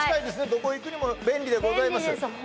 どこ行くにも便利でございます便利です